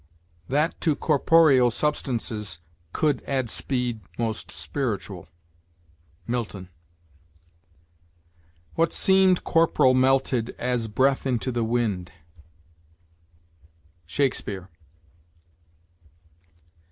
"That to corporeal substances could add Speed most spiritual." Milton. "What seemed corporal Melted as breath into the wind." Shakespeare.